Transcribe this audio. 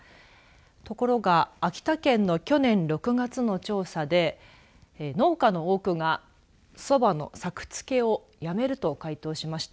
ところが秋田県の去年６月の調査で農家の多くがそばの作付けをやめると回答しました。